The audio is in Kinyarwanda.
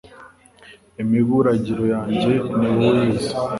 imiburagiro yanjye ni wowe uyizi